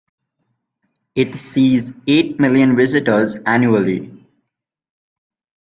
It sees eight million visitors annually.